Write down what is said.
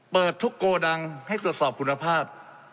เปิดทุกโกดังให้ตรวจสอบคุณภาพ